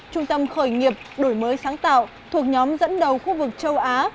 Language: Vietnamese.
trung tâm khởi nghiệp đổi mới sáng tạo thuộc nhóm dẫn đầu khu vực châu á